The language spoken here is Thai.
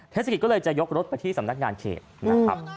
เทศกิจก็เลยจะยกรถไปที่สำนักงานเขตนะครับ